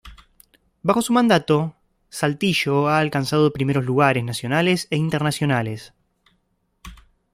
Bajo su mandato Saltillo ha alcanzado primeros lugares nacionales e internacionales.